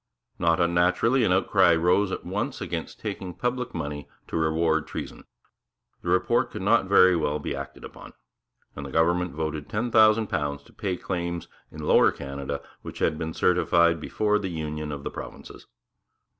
Not unnaturally an outcry rose at once against taking public money to reward treason. The report could not very well be acted upon; and the government voted £10,000 to pay claims in Lower Canada which had been certified before the union of the provinces.